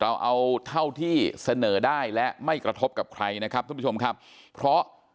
เราเอาเท่าที่เสนอได้และไม่กระทบกับใครนะครับท่านผู้ชมครับเพราะ